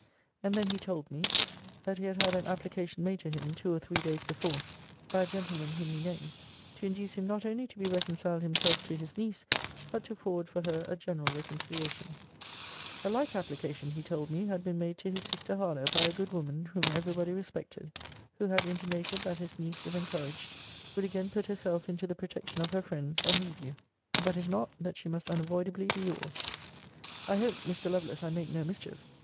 And then he told me, that he had had an application made to him, two or three days before, by a gentleman whom he named,* to induce him not only to be reconciled himself to his niece, but to forward for her a general reconciliation. * See Vol. IV. Letters XXIII and XXIX. 'A like application, he told me, had been made to his sister Harlowe, by a good woman, whom every body respected; who had intimated, that his niece, if encouraged, would again put herself into the protection of her friends, and leave you: but if not, that she must unavoidably be your's.' I hope, Mr. Lovelace, I make no mischief.